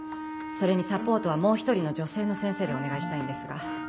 それにサポートはもう１人の女性の先生でお願いしたいんですが。